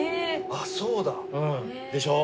あっそうだ。でしょ？